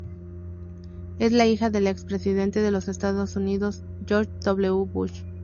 Es la hija del expresidente de los Estados Unidos, George W. Bush.